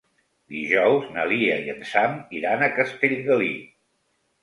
Dijous na Lia i en Sam iran a Castellgalí.